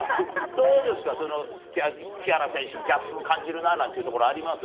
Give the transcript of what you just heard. どうですか、その木原選手、ギャップ感じるななんてところ、あります？